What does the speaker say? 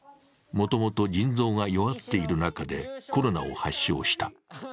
もともと腎臓が弱っている中でコロナを発症した。